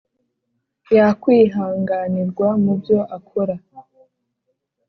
yakwihanganirwa mu byo akora.